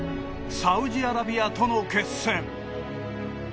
サウジアラビアとの決戦。